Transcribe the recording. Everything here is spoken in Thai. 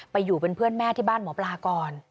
อยู่เป็นเพื่อนแม่ที่บ้านหมอปลาก่อน